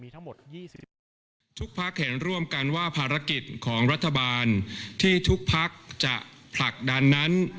ทั้งหมด๒๑พักทุกพักเห็นร่วมกันว่าภารกิจของรัฐบาลที่ทุกพักจะผลักดันนั้น